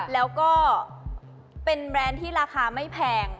แล้วก็เป็นแบรนด์ที่ราคาไม่แพง